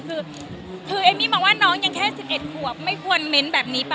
คือเอมมี่มองว่าน้องยังแค่๑๑ขวบไม่ควรเม้นแบบนี้ป่